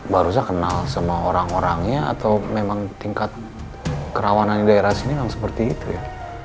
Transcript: baru saya kenal sama orang orangnya atau memang tingkat kerawanan di daerah sini memang seperti itu ya